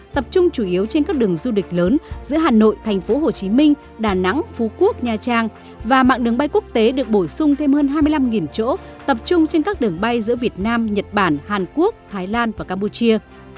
tập trung chủ yếu trên các đường du lịch lớn giữa hà nội thành phố hồ chí minh đà nẵng phú quốc nha trang và mạng đường bay quốc tế được bổ sung thêm hơn hai mươi năm chỗ tập trung trên các đường bay giữa việt nam nhật bản hàn quốc thái lan và campuchia